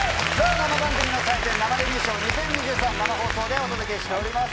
生番組の祭典、生デミー賞２０２３、生放送でお届けしております。